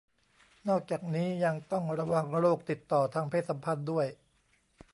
นอกจากนี้ยังต้องระวังโรคติดต่อทางเพศสัมพันธ์ด้วย